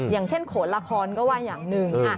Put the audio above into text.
อย่างเช่นโขนละครก็ว่าอย่างหนึ่ง